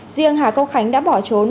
riêng hà công khánh đã bỏ trốn